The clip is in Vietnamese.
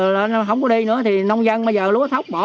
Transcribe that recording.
nó không có đi nữa thì nông dân bây giờ lúa thóc bỏ